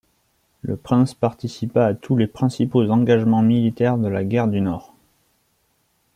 Le prince participa à tous les principaux engagements militaires de la Guerre du Nord.